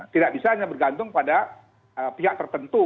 tidak bisa hanya bergantung pada pihak tertentu